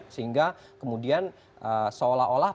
sehingga kemudian seolah olah